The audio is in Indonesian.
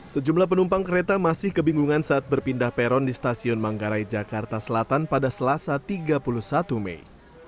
sejumlah penumpang kereta masih kebingungan saat berpindah peron di stasiun manggarai jakarta selatan pada selasa tiga puluh satu mei